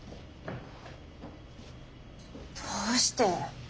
どうして？